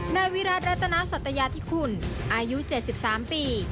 นายวิรัติรัตนสัตยาธิคุณอายุ๗๓ปี